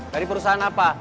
dari perusahaan apa